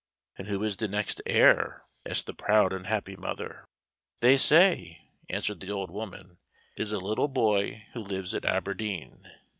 "And who is the next heir?" asked the proud and happy mother. "They say," answered the old woman, "it is a little boy who lives at Aberdeen."